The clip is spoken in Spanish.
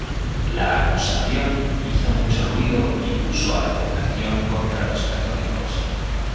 La acusación hizo mucho ruido y puso a la población contra los católicos.